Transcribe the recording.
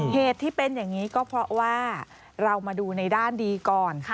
เหตุที่เป็นอย่างนี้ก็เพราะว่าเรามาดูในด้านดีก่อน